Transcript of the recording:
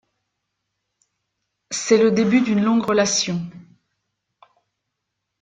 C'est le début d'une longue relation.